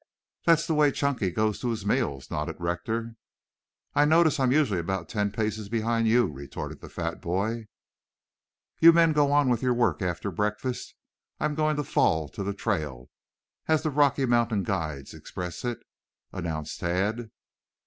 "That's the way Chunky goes to his meals," nodded Rector. "I notice I'm usually about ten paces behind you," retorted the fat boy. "You men go on with your work after breakfast. I am going to fall to the trail, as the Rocky Mountain guides express it," announced Tad.